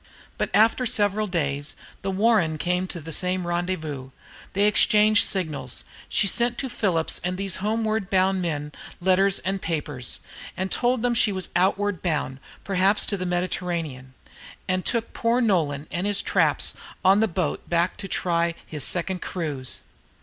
But after several days the "Warren" came to the same rendezvous; they exchanged signals; she sent to Phillips and these homeward bound men letters and papers, and told them she was outward bound, perhaps to the Mediterranean, and took poor Nolan and his traps on the boat back to try his second cruise.